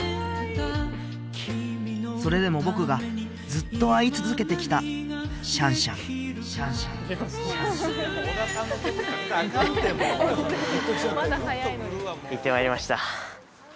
それでも僕がずっと会い続けてきたシャンシャン行ってまいりました